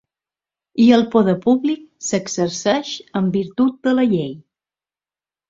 I el poder públic s’exerceix en virtut de la llei.